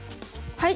はい！